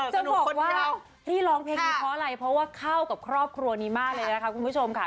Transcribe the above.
จะบอกว่าที่ร้องเพลงนี้เพราะอะไรเพราะว่าเข้ากับครอบครัวนี้มากเลยนะคะคุณผู้ชมค่ะ